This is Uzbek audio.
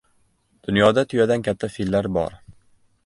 Dunyoda tuyadan katta fillar bor.